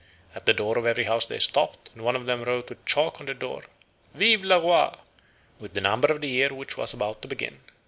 At the door of every house they stopped, and one of them wrote with chalk on the door vive le roi! with the number of the year which was about to begin.